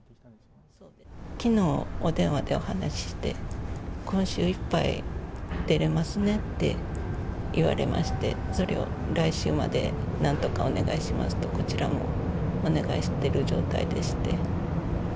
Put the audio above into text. きのうお電話でお話して、今週いっぱいで出れますねって言われまして、それを来週までなんとかお願いしますと、こちらもお願いしてる状態でして。